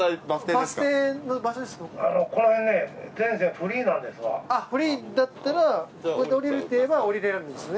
あっフリーだったらここで降りるって言えば降りれるんですね。